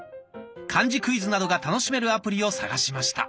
漢字クイズなどが楽しめるアプリを探しました。